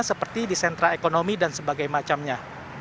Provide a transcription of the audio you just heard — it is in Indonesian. seperti di sentra ekonomi dan sebagainya